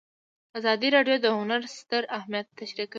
ازادي راډیو د هنر ستر اهميت تشریح کړی.